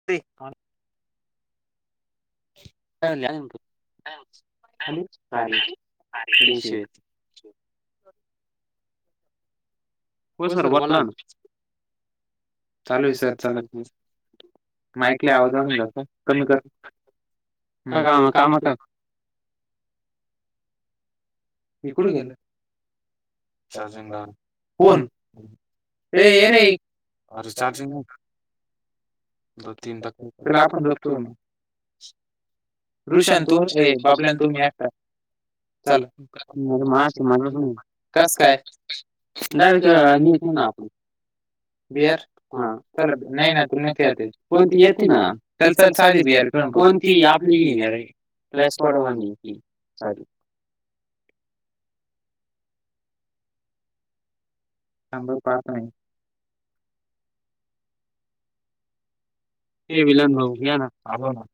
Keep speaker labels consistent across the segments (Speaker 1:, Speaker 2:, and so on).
Speaker 1: [inaudible]
Speaker 2: [inaudible]
Speaker 1: हो सर बोलला ना.
Speaker 2: चालू ए सर चाला माइकले आवाज वाढून जातो, कमी कर. का काम कर हे कुठे गेले? कोण? ते, येरे
Speaker 1: दो तीन टक्के, आपण द ऋष्य अन् तू, ए बाबल्या अन् तू, मी एकटा, चला े माची मज, कस काय? दरक घेऊ ना आपण बिअर? चला, भूक नाही ना तुम्हले?? कोणती येते ना? चल चल साधी बियर पिऊ, कोणती आपली प्लस पोडवणी ती साधी आ पाप आहे हे विलन भाऊ घ्या ना, आपल्याला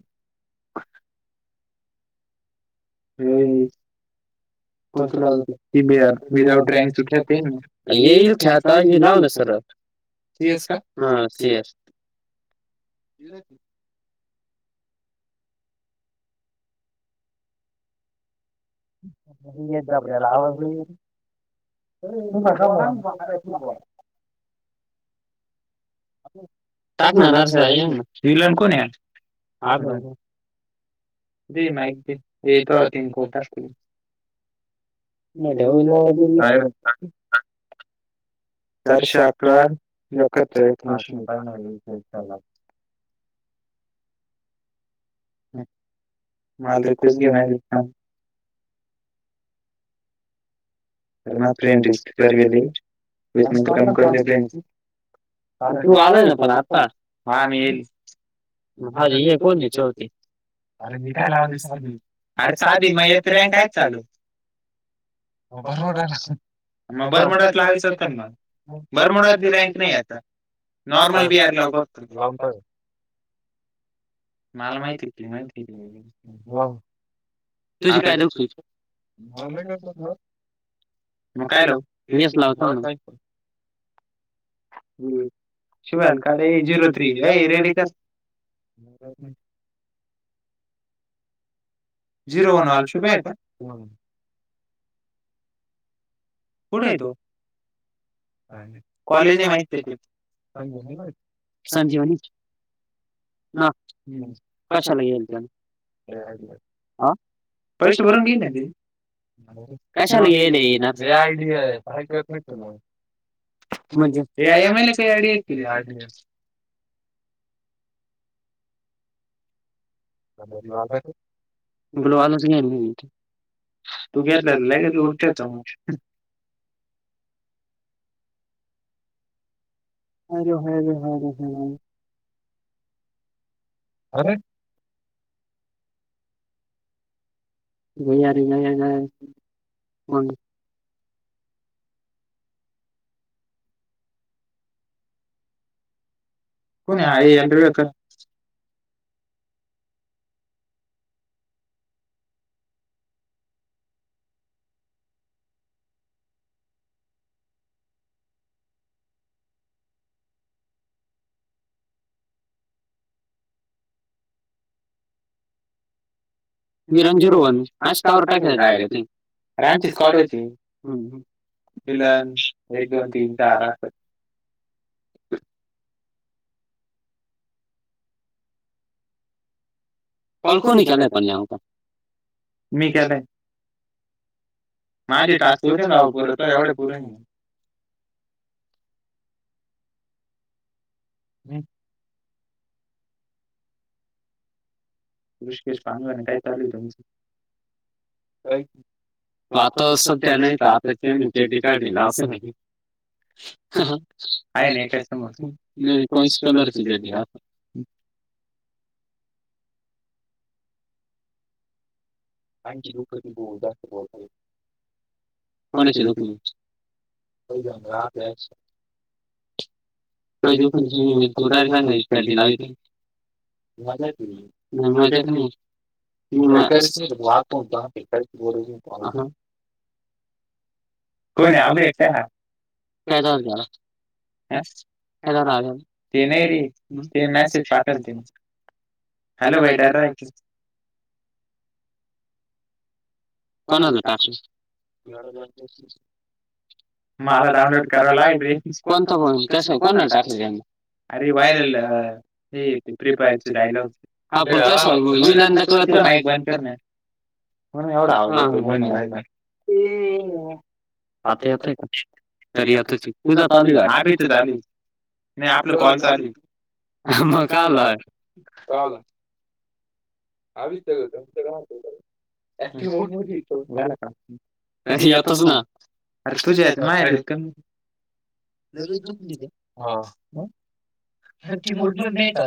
Speaker 1: [unintelligible]
Speaker 2: हम्म
Speaker 1: येईल ख्या आता हे लावणा सरळ ते येस का? हा ते येस
Speaker 2: [inaudible]
Speaker 1: टक ना न ना, विलन कोण ए? [inaudible] म ठेऊला [inaudible] माल खोच दे मा [unintelligible] तू आलाय ना पण आता हाज कोण ए चौती? अरे मी काय लावली डी, अरे साधी मग येत तर रँक कायच चालू
Speaker 2: ख बरोबर आहे ना मग बरमोडात लावायचं होतं ना मग, बरमोडात बी रँक नाही आता नॉर्मल बेयर लाव फक्त, लावताय
Speaker 1: मला माहिती ती हो तुझी काय दुख?
Speaker 2: मग काय लावूच ना हम्म शिवाल काडे झिरो थ्री अ रेडी कर मात नाही
Speaker 1: जिरो वन आलचय
Speaker 2: कुढयो
Speaker 1: कॉलेज माहिित हो संजीवनी संजीवनी ना कशाला येईल त्याला हा पैसे भरून घेईन मी कशाल येले ये ना
Speaker 2: व ज ए आय एमले का आयडी कि
Speaker 1: बुलव तुेत लागे ती उठत का अजे हे ह ह
Speaker 2: ह ना हम् कोण ए हा? याल नाही ओळखत
Speaker 1: मी रंग झिरो वन हाच टावर टाक डायरेक्ट ती, रॅमचीच स्कॉट दि एक दोन तीन चार कलखो न केलं पह का न केलं माझी टाकती होत नाव पूर हो एवढे पूरी नाही
Speaker 2: हम्
Speaker 1: द पान काय चालू का त आता असल त्या नाही तर आता काय गेला असंहिे आहे नाच कलरची ज आणची दुःख ती जास्त बते कोणेचे नुकच का दुख तुटारी ख पेली लाग त मजेत मजेत नाही म
Speaker 2: वा हो का काही बोल र को नाही आेेत हा
Speaker 1: कायदावर झाला ह लाल ते नाही र मॅसेज पाठल त हॅलो बैटा नात कोणला पाश
Speaker 2: मला डाउनलोड कराव लागेल रे कोणन को टाक अरे व्हायरल हे प्रिपयरचे डायलॉगन तुला माईक बंद करणे म्हणून एवं आवड
Speaker 1: ह आता येतय का तरी आताची पूजा चालू आबीच लू नाही आपलं कॉल मग कालल
Speaker 2: हस्तठ नाही य ना अरे तुझ्या मा ल दु क हा न मुडमड नाही का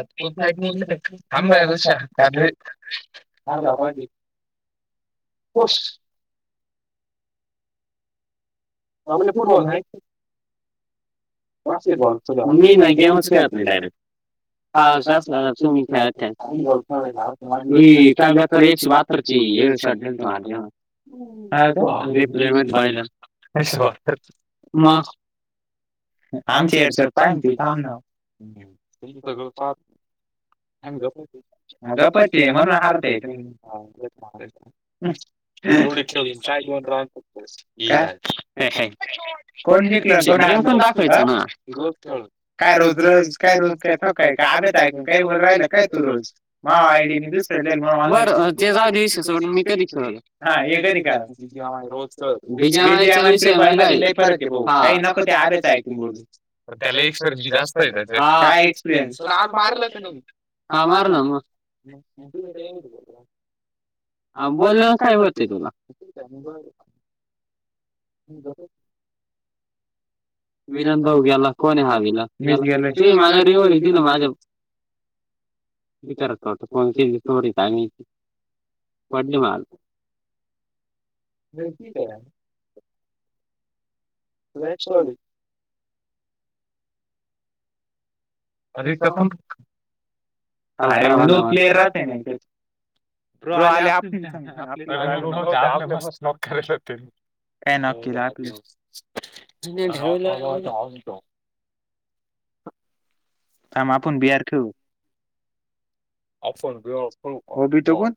Speaker 1: अर ना पाज खश
Speaker 2: हो बला
Speaker 1: बास्केटबॉल मी नाही गेमच खेळत नाही डायरेक्ट हा काय ची हे वर्ष अडे मा ह पाहि मग आमची एडश आहे ना तु थांब ना सगळं गपती म्हण हारते. ेन राह को जा. काय रोज रज काय रोज काय थक काय आबेत ऐकून काही बोल राहि ना काय तू रोज. हा आयडी मी दुसर बर ते जाऊ पण मी कधी खेळलं हा हे कधी खे. रोजर न त्याला एपरय जास्त त्या आज मार हा मार ना मग ह बोलण काय होतंय तुला? ह जस विलंद भाऊ ग्याला कोण हवीला गला गे माला रिवड दि ना माझ्या करतत फो केली थोडीग वडल माल करा मेवाली
Speaker 2: अरे न प्लेयर राहते ते प्रो आले आपली नव्हते आपल्या म मगू शकते ए नक्की आपली आ आप आपण बयारख ण ववस् होॉबी त कोण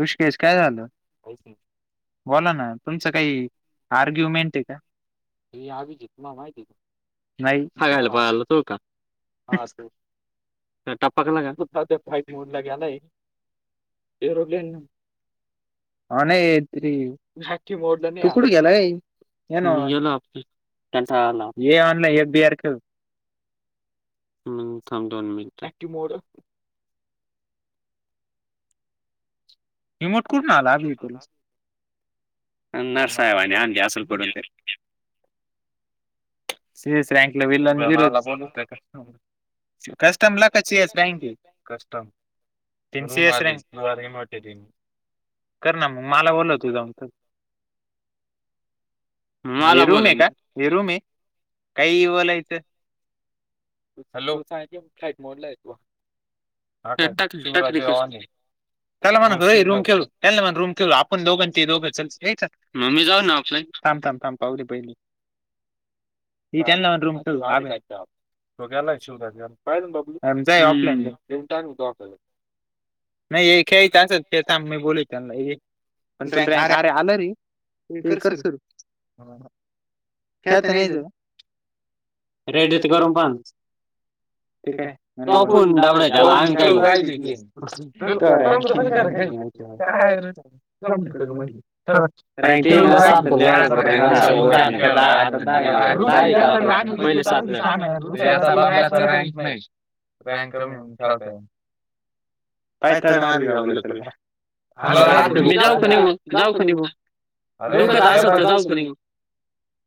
Speaker 2: ऋषकेश काय झालं बोला ना तुमचं काही आर्ग्युमेंट आहे का? ते आ तुला माहिती त्यापाख
Speaker 1: एर
Speaker 2: हा नाही तरी तकड गेला का न ये आनला बीर. हम् मोड
Speaker 1: हमट कुठ आला. नरसाहेबानी आणध असल पडून ते
Speaker 2: तीस रँकला विल कस्म ला काँ क कर ना मग मला बोलत हो जाऊन तर हिरूमे का हिरूमे काही बलायचं हलो काचय हा काय शिवरा्री जवा त्याला म्हण रूम खळू त्या म रूम खळू आपण दोघां त दोघंलच मम् ममी जाऊ ना आपल्या थांब थांब थांब पावली बहिणी त त्यांना म्ह रूम तो ग्यालाशर ऑफलाईनन नाही खेळायच असं हे स मी बोल त्यांना पण तुला रँक अरे आल री हे करर्सूर ख्याता नाही येत
Speaker 1: रेडी तर करून बंद ठीक आहे तोफून दाबड्या झाला काहि विुश रँक नाही रँक कमी होऊन ठावत काय ड मारी बा बला आपला मी जाऊ क निऊ जाऊ का निऊ दुखत असल तर जाऊ क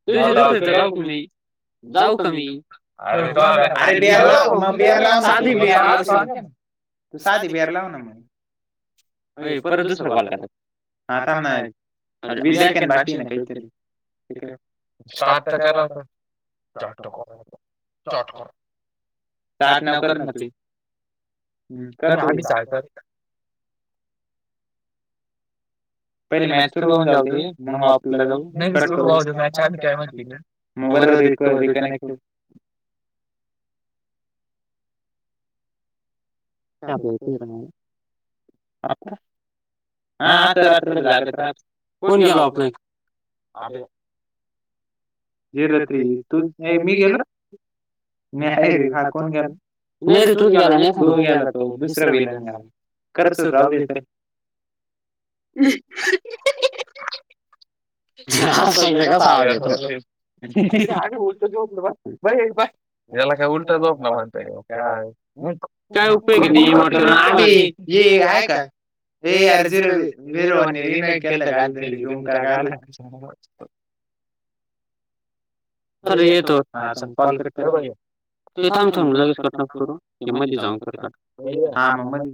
Speaker 2: तुझयु म जाऊ का मी अरे अरे ब ला बर लाव तू साधी बिर लाव ना म्हण परत दुसरं कॉल करता हा म ना वीस सेकंड बाकी काहीतरी
Speaker 1: ठीक स्टार्टॉॉटकॉ
Speaker 2: ट नाव कर न तू करतो
Speaker 1: पहिले मॅच थरू होऊन जाऊ दे मग आपला जाऊ काय म्हणती मगर इ एक जक ह ब हा अ रात्र कोण गेल आपण अभ्या वरत मी गला नाही र हातोून गेला नाही र तूच गेला नाही त गला त दुसरं वलन नाही करसर राहलीथ क आणि बोलतो बा त्याला काय उलटचोप ना म्हणता काय आहे काय ए अर्जिल वरवा रिम्या केलत काल के रुम का
Speaker 2: ल येतो हाता म कॉल करते त थांब थां वि करून मध्ये जाऊन करग म